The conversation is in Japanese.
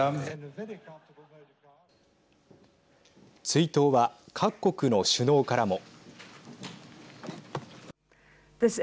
追悼は各国の首脳からも。